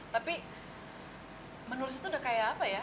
tapi menulis itu udah kayak apa ya